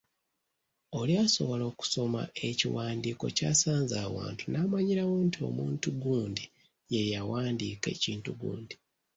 Oli asobola okusoma ekiwandiiko ky’asanze awantu n’amanyirawo nti omuntu gundi ye yawandiika ekintu gundi.